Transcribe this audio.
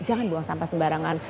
jangan buang sampah sembarangan